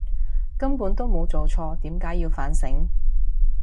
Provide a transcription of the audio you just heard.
根本都冇做錯，點解要反省！